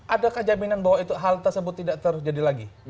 ada kejaminan bahwa hal tersebut tidak terjadi lagi